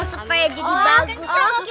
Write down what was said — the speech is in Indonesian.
supaya jadi bagus